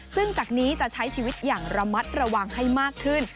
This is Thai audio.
ซึ่งจากนี้จะใช้ชีวิตอย่างระมัดระวังให้มากขึ้น